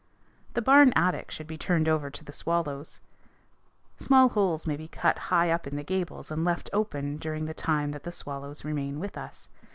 The barn attic should be turned over to the swallows. Small holes may be cut high up in the gables and left open during the time that the swallows remain with us.